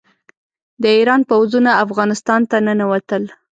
د ایران پوځونه افغانستان ته ننوتل.